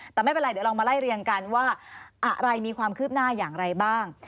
แต่ไม่เป็นไรเดี๋ยวลองมาไล่เรียงกันว่าอะไรมีความคืบหน้าอย่างไรบ้าง